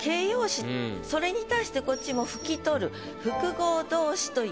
それに対してこっちも「拭き取る」。